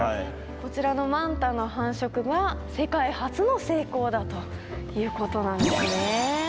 こちらのマンタの繁殖が世界初の成功だということなんですね。